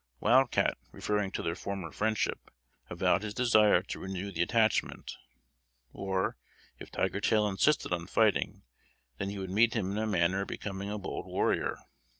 Wild Cat, referring to their former friendship, avowed his desire to renew the attachment; or, if Tiger tail insisted on fighting, then he would meet him in a manner becoming a bold warrior.